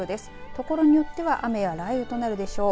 ところによっては雨や雷雨となるでしょう。